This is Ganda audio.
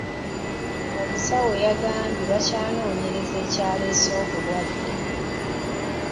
Omusawo yagambye bakyanoonyereza ekyaleese obulwadde.